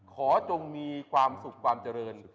จงมีความสุขความเจริญ